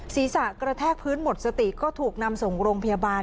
ศีรษะกระแทกพื้นหมดสติก็ถูกนำส่งโรงพยาบาล